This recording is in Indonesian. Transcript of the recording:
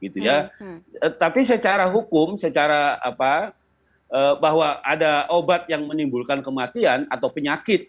tapi secara hukum secara bahwa ada obat yang menimbulkan kematian atau penyakit